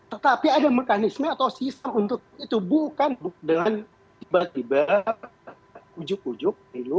tetapi ada mekanisme atau sistem untuk itu bukan dengan tiba tiba ujuk ujuk